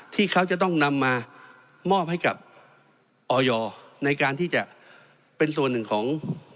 ที่เขาจะต้องนำมามอบให้กับออยในการที่จะเป็นส่วนหนึ่งของ